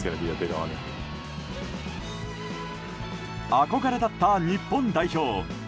憧れだった日本代表。